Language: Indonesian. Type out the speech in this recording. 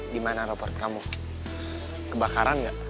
gimana raport kamu kebakaran gak